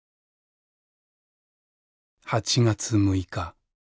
「８月６日。